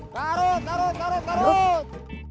garut garut garut garut